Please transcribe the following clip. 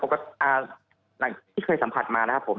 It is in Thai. อย่างที่เคยสัมผัสมานะครับผม